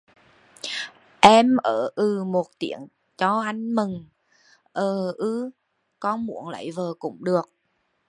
Em âừ một tiếng cho anh mừng! Ầư, con muốn lấy vợ cũng được